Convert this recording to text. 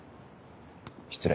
失礼。